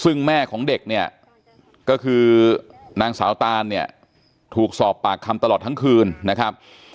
ซึ่งแม่ของเด็กเนี่ยก็คือนางสาวตานเนี่ยถูกสอบปากคำตลอดทั้งคืนนะครับ